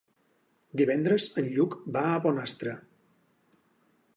Divendres en Lluc va a Bonastre.